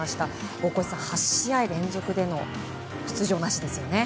大越さん、８試合連続での出場なしですね。